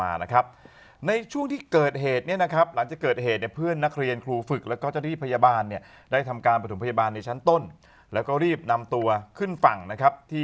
อ๋อไม่ได้รู้ว่าการเป็นพิธีกรดีควรจะทำอย่างนี้